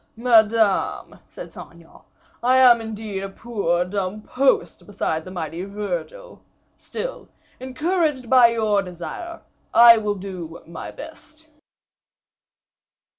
"Madame," said Saint Aignan, "I am indeed a poor dumb post beside the mighty Virgil. Still, encouraged by your desire, I will do my best."